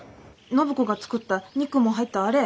暢子が作った肉も入ったあれ。